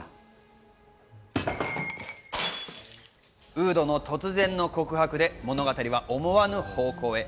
ウードの突然の告白で物語は思わぬ方向へ。